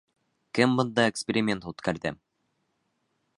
Кем бында эксперимент үткәрҙе?